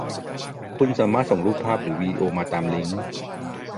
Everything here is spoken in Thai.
คุณสามารถส่งรูปภาพหรือวีดีโอมาตามลิงค์